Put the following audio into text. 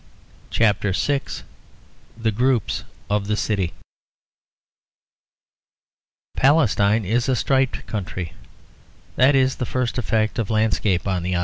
CHAPTER VI THE GROUPS OF THE CITY Palestine is a striped country; that is the first effect of landscape on the eye.